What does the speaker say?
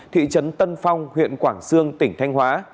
thị trấn tân phong huyện quảng sương tỉnh thanh hóa